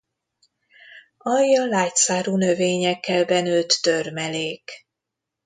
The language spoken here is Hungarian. Alja lágyszárú növényekkel benőtt törmelék.